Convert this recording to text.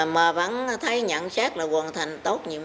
mà vẫn thấy nhận xét là hoàn thành tốt